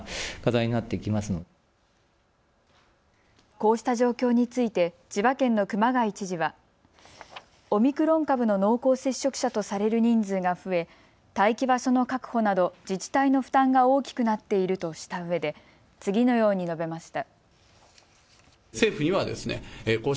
こうした状況について千葉県の熊谷知事はオミクロン株の濃厚接触者とされる人数が増え、待機場所の確保など自治体の負担が大きくなっているとしたうえで次のように述べました。